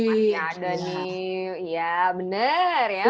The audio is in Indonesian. masih ada nih ya bener ya